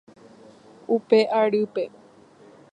Upe arýpe.